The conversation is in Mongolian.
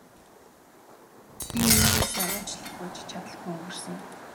Би ээжээсээ уучлалт гуйж чадалгүй өнгөрсөн юм.